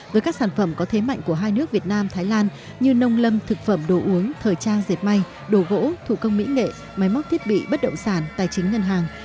với các sản phẩm có thế mạnh của hai nước việt nam thái lan như nông lâm thực phẩm đồ uống thời trang dệt may đồ gỗ thủ công mỹ nghệ máy móc thiết bị bất động sản tài chính ngân hàng